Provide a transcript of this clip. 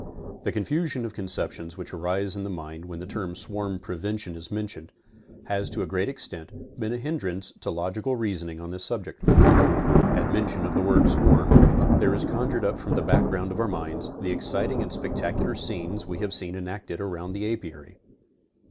The confusion of conceptions which arises in the mind when the term swarm prevention is mentioned, has to a great extent, been a hindrance to logical reasoning on this subject. At mention of the word swarm, there is conjured up from the background of our minds, the exciting and spectacular scenes we have seen enacted around the aipary.